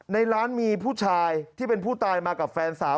ในร้านมีผู้ชายที่เป็นผู้ตายมากับแฟนสาว